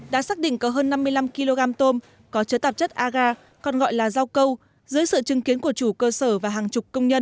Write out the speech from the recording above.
đã xác định có hơn năm mươi năm kg tôm có chứa tạp chất aga còn gọi là rau câu dưới sự chứng kiến của chủ cơ sở và hàng chục công nhân